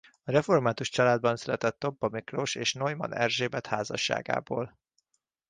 Református családban született Tompa Miklós és Neumann Erzsébet házasságából.